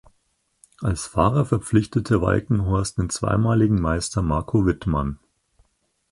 Als Fahrer verpflichtete Walkenhorst den zweimaligen Meister Marco Wittmann.